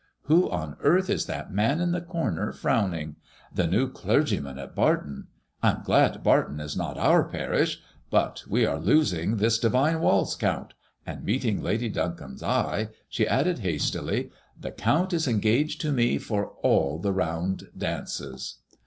Who on earth is that man in the comer, frowning? The new clergyman at Barton. I am glad Barton is not our parish. But we are losing this divine waltz, Count," and meet ing Lady Duncombe's eye, she added, hastily i The Count is engaged to me for all the round dances.